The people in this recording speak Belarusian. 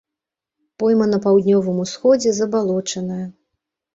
Пойма на паўднёвым усходзе забалочаная.